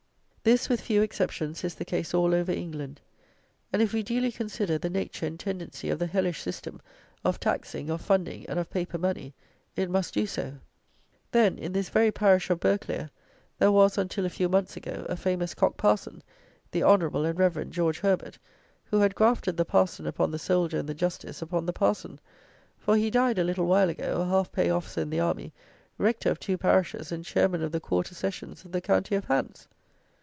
This, with few exceptions, is the case all over England; and, if we duly consider the nature and tendency of the hellish system of taxing, of funding, and of paper money, it must do so. Then, in this very parish of Burghclere, there was, until a few months ago, a famous cock parson, the "Honourable and Reverend" George Herbert, who had grafted the parson upon the soldier and the justice upon the parson; for he died, a little while ago, a half pay officer in the army, rector of two parishes, and chairman of the quarter sessions of the county of Hants!!